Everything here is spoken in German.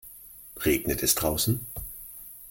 Regnet es draußen?